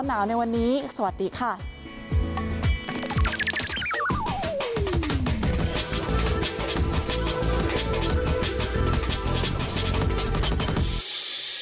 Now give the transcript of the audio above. สวัสดีครับ